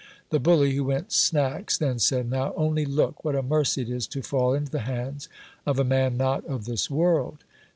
The bully, who went snacks, then said — Now only look ! what a mercy it is, to fall into the hands of a man not of this world.